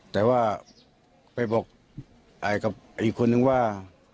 แต่ว่าไปบอกกับอีกคนนึงว่า